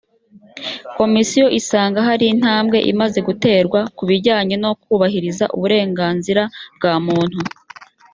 komisiyo isanga hari intambwe imaze guterwa ku bijyanye no kubahiriza uburenganzira bw‘abantu